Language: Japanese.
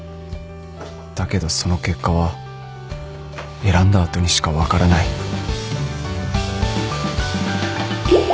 だけどその結果は選んだ後にしか分からないおい！